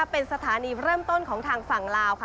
เป็นสถานีเริ่มต้นของทางฝั่งลาวค่ะ